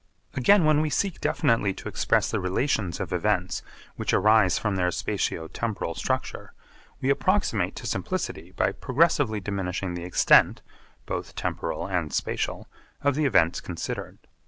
Again when we seek definitely to express the relations of events which arise from their spatio temporal structure, we approximate to simplicity by progressively diminishing the extent (both temporal and spatial) of the events considered.